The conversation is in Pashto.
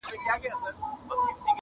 مه مو شمېره پیره په نوبت کي د رندانو؛